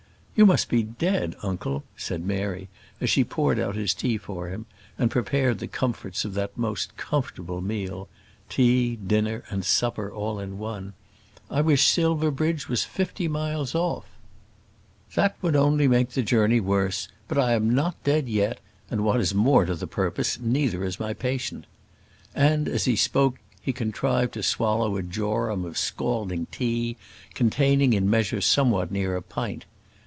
"You must be dead, uncle," said Mary, as she poured out his tea for him, and prepared the comforts of that most comfortable meal tea, dinner, and supper, all in one. "I wish Silverbridge was fifty miles off." "That would only make the journey worse; but I am not dead yet, and, what is more to the purpose, neither is my patient." And as he spoke he contrived to swallow a jorum of scalding tea, containing in measure somewhat near a pint.